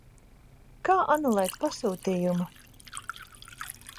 Kā anulēt pasūtījumu?